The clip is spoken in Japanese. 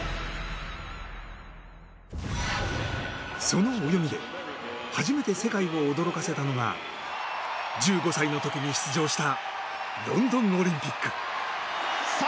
その泳ぎで初めて世界を驚かせたのが１５歳の時に出場したロンドンオリンピック。